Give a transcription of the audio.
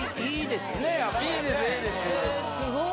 すごーい。